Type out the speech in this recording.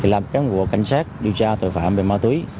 làm cán bộ cảnh sát điều tra tội phạm về ma khí